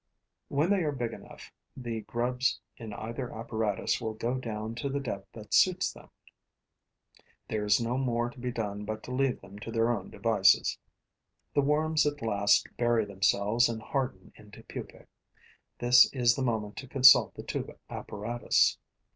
When they are big enough, the grubs in either apparatus will go down to the depth that suits them. There is no more to be done but to leave them to their own devices. The worms at last bury themselves and harden into pupae. This is the moment to consult the two apparatus.